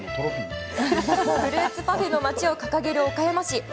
フルーツパフェの街を掲げる岡山市。